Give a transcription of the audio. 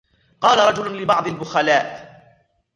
قال رجل لبعض البخلاء